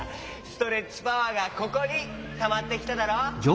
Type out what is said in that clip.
ストレッチパワーがここにたまってきただろう。